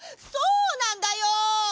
そうなんだよ。